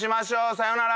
さようなら。